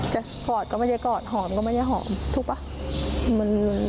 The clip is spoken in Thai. กอดก็ไม่ได้กอดหอมก็ไม่ได้หอมถูกป่ะ